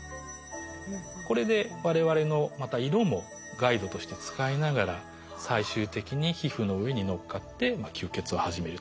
これで我々のまた色もガイドとして使いながら最終的に皮膚の上にのっかって吸血を始めると。